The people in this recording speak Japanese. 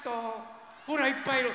ほらいっぱいいる。